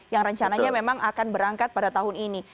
yang rencananya memang akan berangkat pada tahun ini